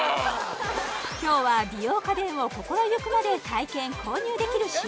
今日は美容家電を心ゆくまで体験・購入できる新